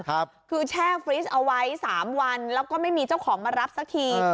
คือแช่ฟริสเอาไว้สามวันแล้วก็ไม่มีเจ้าของมารับสักที